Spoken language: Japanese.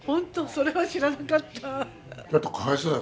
それは知らなかった。